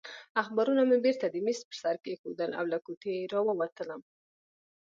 اخبارونه مې بېرته د مېز پر سر کېښودل او له کوټې راووتلم.